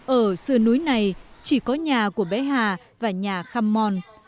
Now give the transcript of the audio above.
ở sư núi này chỉ có nhà của bé hà và nhà kham mon